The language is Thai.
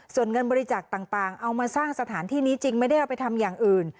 ส่วนเงินบริจาคต่างเอามาสร้างสถานที่นี้จริงไม่ได้เอาไปทำอย่างอื่น